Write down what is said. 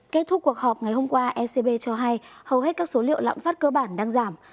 kết thúc cuộc họp ngày hôm qua ecb cho hay hầu hết các số liệu lạm phát cơ bản đang giảm